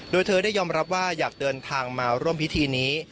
โดยเธอได้ยอมรับว่าอยากเดินทางมาร่วมพิธีนี้